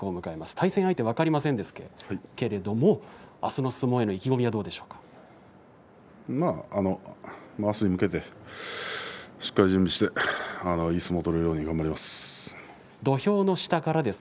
対戦相手は分かりませんけれどもあすの相撲への意気込みはまあ、あすに向けてしっかり準備して、いい相撲を取れるように頑張ります。